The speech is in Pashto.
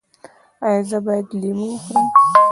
ایا زه باید لیمو وخورم؟